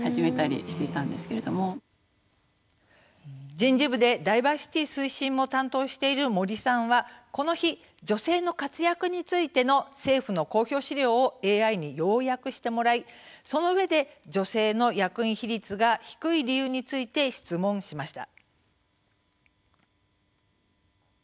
人事部でダイバーシティー推進も担当している森さんはこの日、女性の活躍についての政府の公表資料をＡＩに要約してもらいそのうえで、女性の役員比率が低い理由について質問しました。